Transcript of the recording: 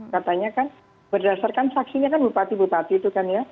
katanya kan berdasarkan saksinya kan bupati bupati itu kan ya